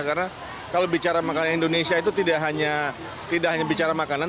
karena kalau bicara makanan indonesia itu tidak hanya bicara makanan